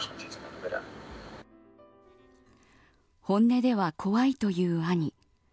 本音では怖いという兄。